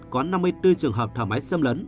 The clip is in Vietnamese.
có năm mươi bốn trường hợp thở máy xâm lấn